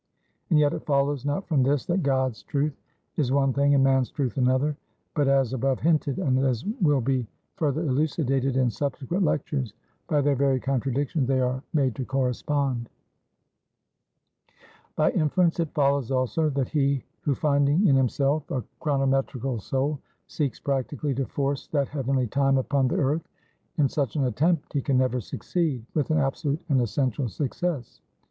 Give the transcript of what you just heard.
And yet it follows not from this, that God's truth is one thing and man's truth another; but as above hinted, and as will be further elucidated in subsequent lectures by their very contradictions they are made to correspond. "By inference it follows, also, that he who finding in himself a chronometrical soul, seeks practically to force that heavenly time upon the earth; in such an attempt he can never succeed, with an absolute and essential success.